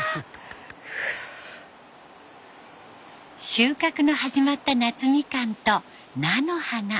収穫の始まった夏みかんと菜の花。